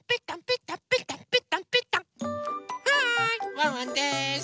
ワンワンです！